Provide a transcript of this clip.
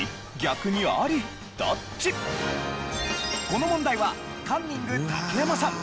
この問題はカンニング竹山さん